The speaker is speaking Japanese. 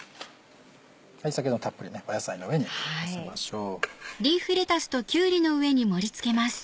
先ほどのたっぷり野菜の上にのせましょう。